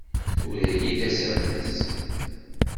Tura-iyi-d asamas.